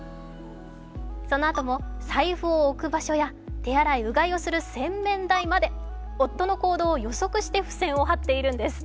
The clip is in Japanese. そのあとも財布を置く場所や手荒い、うがいをする洗面台まで、夫の行動を予測して付箋を貼っているんです。